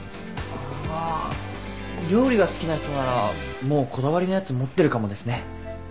あ料理が好きな人ならもうこだわりのやつ持ってるかもですね。